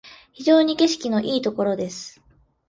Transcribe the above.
非常に景色のいいところです